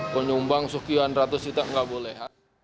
penyumbang sukyuan ratus juta tidak boleh